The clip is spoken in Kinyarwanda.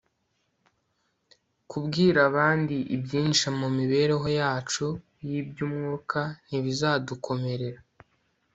kubwira abandi ibyinjira mu mibereho yacu y'iby'umwuka ntibizadukomerera